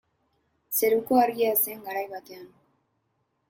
Zeruko Argia zen garai batean.